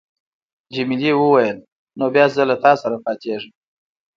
جميلې وويل: نو بیا زه له تا سره پاتېږم.